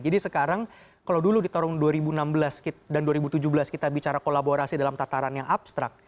jadi sekarang kalau dulu di tahun dua ribu enam belas dan dua ribu tujuh belas kita bicara kolaborasi dalam tataran yang abstrak